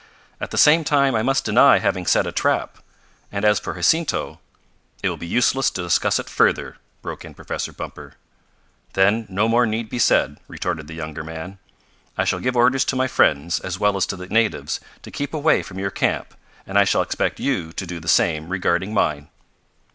"At the same time I must deny having set a trap. And as for Jacinto " "It will be useless to discuss it further!" broke in Professor Bumper. "Then no more need be said," retorted the younger man. "I shall give orders to my friends, as well as to the natives, to keep away from your camp, and I shall expect you to do the same regarding mine."